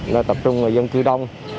để tập trung người dân cư đông